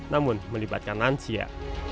namun melibatkan nansia